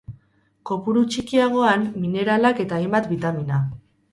Kopuru txikiagoan, mineralak eta hainbat bitamina.